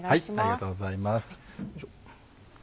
ありがとうございます。